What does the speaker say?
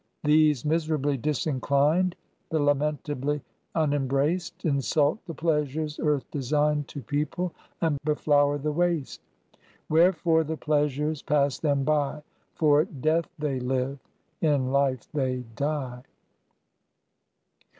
These miserably disinclined, The lamentably unembraced, Insult the Pleasures Earth designed To people and beflower the waste. Wherefore the Pleasures pass them by: For death they live, in life they die.